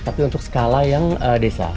tapi untuk skala yang desa